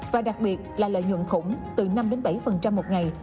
và đặc biệt là lợi nhuận khủng từ năm bảy một ngày